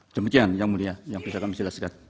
demikian yang mulia yang bisa kami jelaskan